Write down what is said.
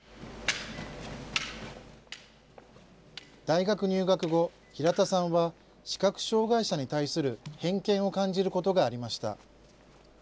大学入学後、平田さんは視覚障害者に対する偏見を感じることがありました。